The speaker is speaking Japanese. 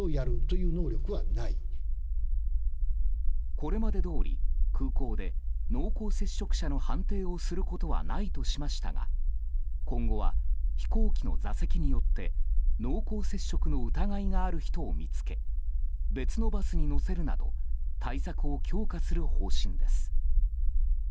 これまでどおり、空港で濃厚接触者の判定をすることはないとしましたが今後は飛行機の座席によって濃厚接触の疑いがある人を見つけ別のバスに乗せるなど対策を強化する方針です。